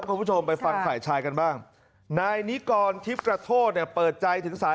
เหมือนส่งเขาอ้างเหมือนว่าให้เรากิบเงินให้เขา